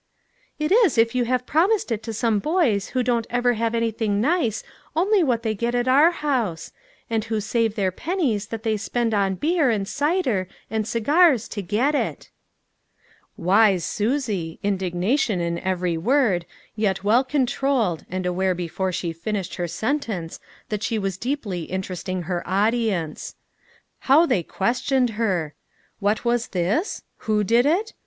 " It is if you have promised it to some boys who don't ever have anything nice only what they get at our house ; and who save their pen nies that they spend on beer, and cider, and cigars to get it." Wise Susie, indignation in every word, yet well controlled, and aware before she finished her sentence that she was deeply interesting her audience! How they questioned her? What was this ? Who did it